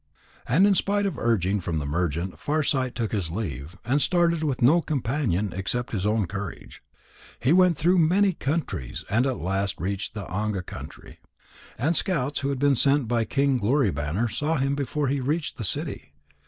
And in spite of urging from the merchant, Farsight took his leave, and started with no companion except his own courage. He went through many countries and at last reached the Anga country. And scouts who had been sent by King Glory banner saw him before he reached the city.